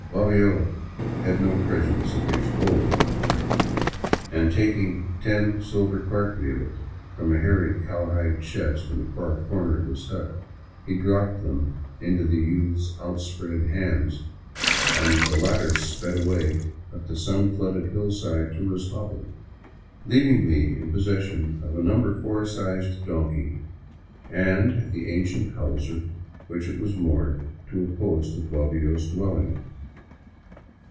Bobbio had no prejudice against gold, however, and taking ten silver " cartwheels " from a hairy cowhide chest in a far corner of his hut, he dropped them into the youth's outspread hands, and the latter sped away up the sun flooded hillside to his hovel, leaving me in possession of a No. 4 size donkey and the ancient hawser with which it was moored to a post of Bobbio's dwelling.